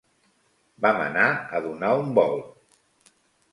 Vam anar a donar un volt.